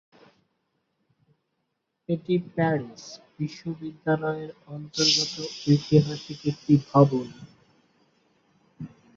এটি প্যারিস বিশ্ববিদ্যালয়ের অন্তর্গত ঐতিহাসিক একটি ভবন।